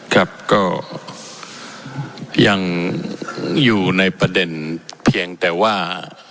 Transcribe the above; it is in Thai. ครับก็ยังอยู่ในประเด็นเพียงแต่ว่า